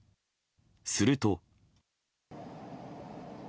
すると。